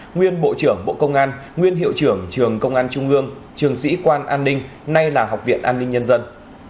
nguyên bộ trưởng bộ công an nguyên hiệu trưởng trường công an trung ương trường sĩ quan an ninh nay là học viện an ninh nhân dân